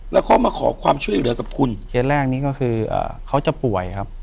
แล้วเขามาขอความช่วยเหลือกับคุณเคสแรกนี้ก็คือเขาจะป่วยครับ